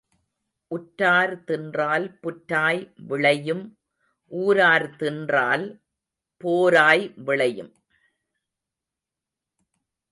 உற்றார் தின்றால் புற்றாய் விளையும் ஊரார் தின்றால் போராய் விளையும்.